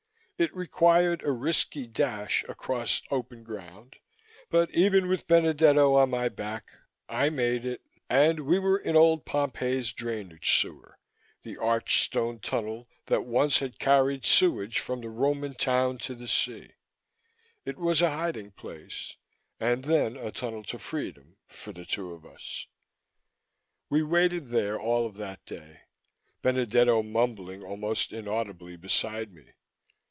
It required a risky dash across open ground but, even with Benedetto on my back, I made it. And then we were in old Pompeii's drainage sewer, the arched stone tunnel that once had carried sewage from the Roman town to the sea. It was a hiding place, and then a tunnel to freedom, for the two of us. We waited there all of that day, Benedetto mumbling almost inaudibly beside me.